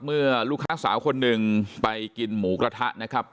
เมื่อลูกค้าสาวคนหนึ่งไปกินหมูกระทะนะครับ